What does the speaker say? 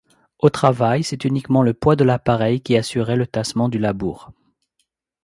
Au travail c'est uniquement le poids de l'appareil qui assurait le tassement du labour.